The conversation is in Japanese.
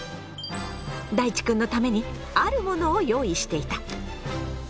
だいちくんのためにあるものを用意していた。